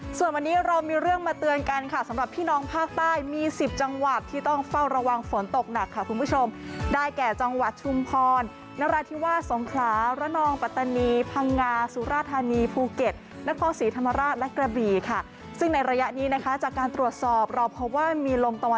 ส่วนวันนี้เรามีเรื่องมาเตือนกันค่ะสำหรับพี่น้องภาคใต้มี๑๐จังหวัดที่ต้องเฝ้าระวังฝนตกหนักค่ะคุณผู้ชมได้แก่จังหวัดชุมพรนราธิวาสสงขลาระนองปัตตานีพังงาสุราธานีภูเก็ตนครศรีธรรมราชและกระบี่ค่ะซึ่งในระยะนี้นะคะจากการตรวจสอบเราพบว่ามีลมต